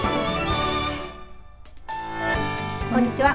こんにちは。